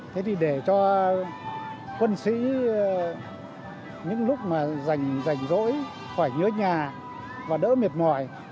thế thì để cho quân sĩ những lúc mà dành dỗi khỏi nhớ nhà và đỡ miệt mỏi